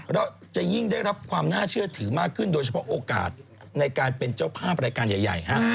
แล้วจะยิ่งได้รับความน่าเชื่อถือมากขึ้นโดยเฉพาะโอกาสในการเป็นเจ้าภาพรายการใหญ่ฮะ